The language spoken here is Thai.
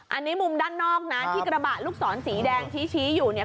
อันนี้มุมด้านนอกนะที่กระบะลูกศรสีแดงชี้อยู่เนี่ย